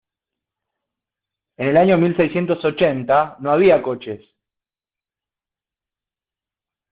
En el año mil seiscientos ochenta no había coches.